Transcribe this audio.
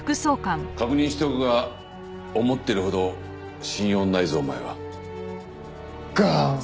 確認しておくが思ってるほど信用ないぞお前は。ガーン！